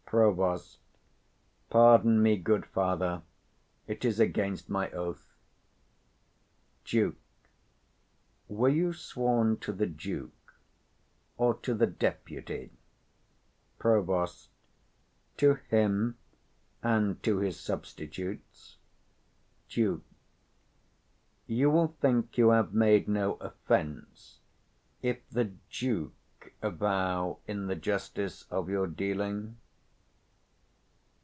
Prov. Pardon me, good father; it is against my oath. Duke. Were you sworn to the Duke, or to the Deputy? Prov. To him, and to his substitutes. Duke. You will think you have made no offence, if the 175 Duke avouch the justice of your dealing?